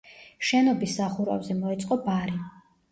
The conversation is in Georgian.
შენობის სახურავზე მოეწყო ბარი.